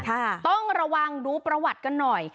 ต้องระวังดูประวัติกันหน่อย